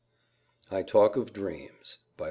I TALK OF DREAMS W.